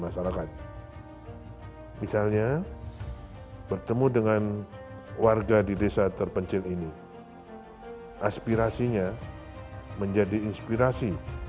masyarakat misalnya bertemu dengan warga di desa terpencil ini aspirasinya menjadi inspirasi